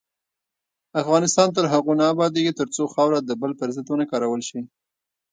افغانستان تر هغو نه ابادیږي، ترڅو خاوره د بل پر ضد ونه کارول شي.